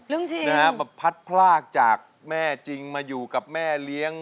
จริงนะฮะมาพัดพลากจากแม่จริงมาอยู่กับแม่เลี้ยง